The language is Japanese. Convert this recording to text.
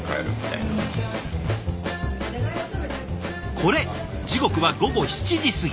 これ時刻は午後７時過ぎ。